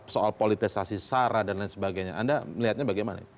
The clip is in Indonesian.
soal politisasi sara dan lain sebagainya anda melihatnya bagaimana